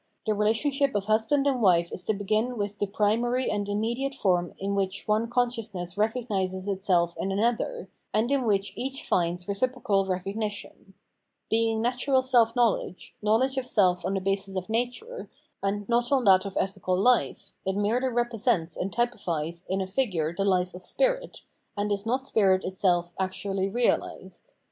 n 450 Phenomenology of Mind relationsHp of husband and wife is to begin with the primary and immediate form in which one conscious ness recognises itself in another, and in which each finds reciprocal recognition. Being natural self know ledge, knowledge of self on the basis of nature, and not on that of ethical hfe, it merely represents a,nd typifies in a figure the life of spirit, and is not spirit itself actually realised.